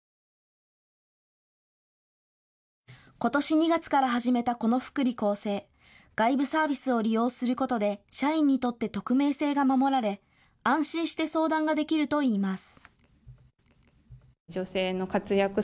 ことし２月から始めたこの福利厚生、外部サービスを利用することで社員にとって匿名性が守られ安心して相談ができるといいます。